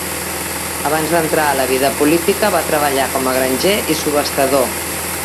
Abans d'entrar a la vida política, va treballar com a granger i subhastador.